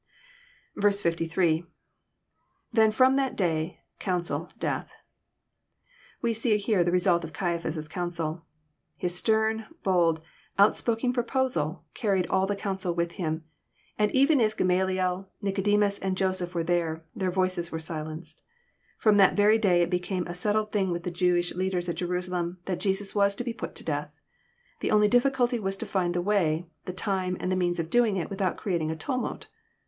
68.— [T^cn/rom tJiat day... counsel,.. death.} We see here the re sult of Caiaphas* counsel. His stern, bold, outspoken proposal carried all the council with him, and even If Gamaliel, Nlcode nius, and Joseph were there, their voices were silenced. From that very day It became a settled thing with the Jewish leaders at Jerusalem, that Jesus was to be put to death. The only difficulty was to find the way, the time, and the means of doing it without creating a tumult.